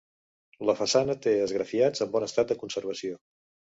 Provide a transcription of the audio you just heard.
La façana té esgrafiats en bon estat de conservació.